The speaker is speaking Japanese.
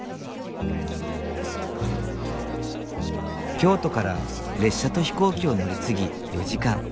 京都から列車と飛行機を乗り継ぎ４時間。